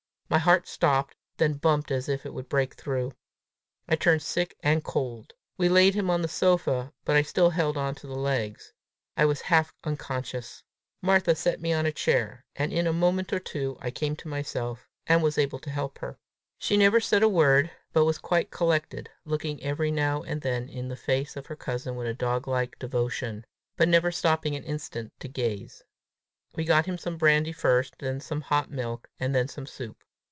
My heart stopped, then bumped as if it would break through. I turned sick and cold. We laid him on the sofa, but I still held on to the legs; I was half unconscious. Martha set me on a chair, and in a moment or two I came to myself, and was able to help her. She said never a word, but was quite collected, looking every now and then in the face of her cousin with a doglike devotion, but never stopping an instant to gaze. We got him some brandy first, then some hot milk, and then some soup.